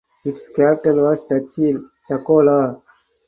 Its capital was Tuchel (Tuchola).